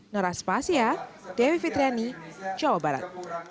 noras pasya dewi fitriani jawa barat